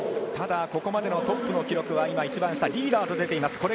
ここまでのトップの記録はリーダーと出ています。